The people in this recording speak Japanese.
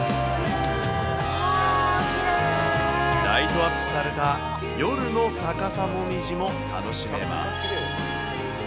ライトアップされた夜の逆さもみじも楽しめます。